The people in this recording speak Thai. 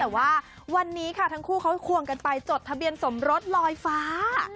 แต่ว่าวันนี้ค่ะทั้งคู่เขาควงกันไปจดทะเบียนสมรสลอยฟ้า